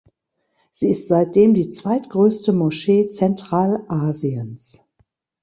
Sie ist seitdem die zweitgrößte Moschee Zentralasiens.